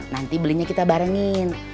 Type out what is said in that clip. nanti belinya kita barengin